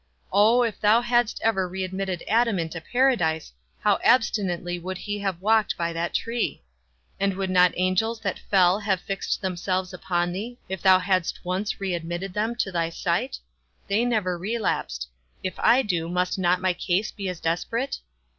O, if thou hadst ever readmitted Adam into Paradise, how abstinently would he have walked by that tree! And would not the angels that fell have fixed themselves upon thee, if thou hadst once readmitted them to thy sight? They never relapsed; if I do, must not my case be as desperate?